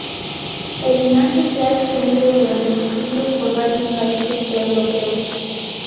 El linaje se ha extendido durante los siglos por varios países europeos.